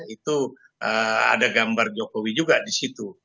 itu ada gambar jokowi juga di situ